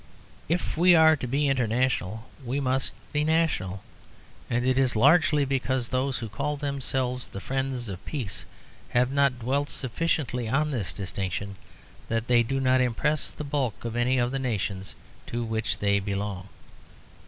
If we are to be international we must be national. And it is largely because those who call themselves the friends of peace have not dwelt sufficiently on this distinction that they do not impress the bulk of any of the nations to which they belong.